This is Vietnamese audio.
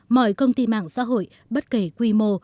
mọi công ty mạng xã hội bất kể quy mô